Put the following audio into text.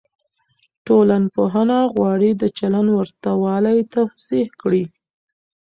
ټولنپوهنه غواړي د چلند ورته والی توضيح کړي.